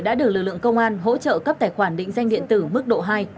đã được lực lượng công an hỗ trợ cấp tài khoản định danh điện tử mức độ hai